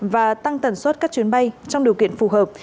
và tăng tần suất các chuyến bay trong điều kiện phù hợp